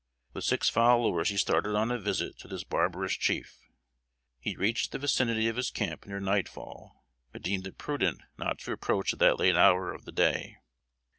With six followers he started on a visit to this barbarous chief. He reached the vicinity of his camp near nightfall, but deemed it prudent not to approach at that late hour of the day.